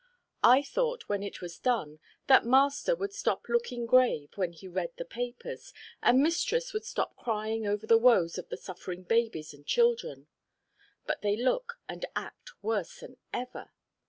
I thought when it was done, that master would stop looking grave when he read the papers, and mistress would stop crying over the woes of the suffering babies and children, but they look and act worse than ever.